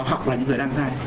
hoặc là những người đang thai